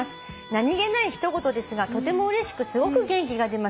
「何げない一言ですがとてもうれしくすごく元気が出ます」